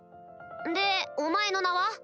でお前の名は？